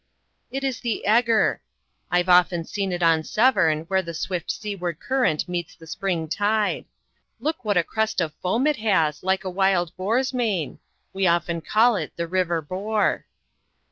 "It is the eger; I've often seen it on Severn, where the swift seaward current meets the spring tide. Look what a crest of foam it has, like a wild boar's mane. We often call it the river boar."